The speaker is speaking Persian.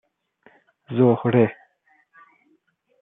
زهره